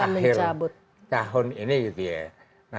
akhir tahun ini gitu ya